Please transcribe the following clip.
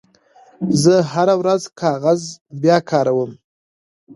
زه هره ورځ کاغذ بیاکاروم.